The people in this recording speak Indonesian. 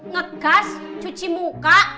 ngegas cuci muka